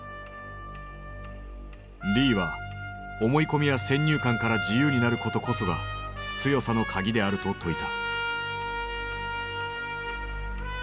リーは思い込みや先入観から自由になることこそが強さの鍵であると説いた。